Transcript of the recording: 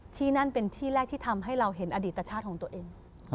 ที่นั่นเป็นที่แรกที่ทำให้เราเห็นอดีตชาติของตัวเอง